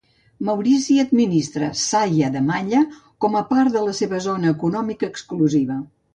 Maurici administra Saia de Malla com a part de la seva zona econòmica exclusiva.